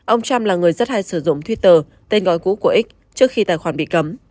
ông trump là người rất hay sử dụng twitter tên gọi cũ của x trước khi tài khoản bị cấm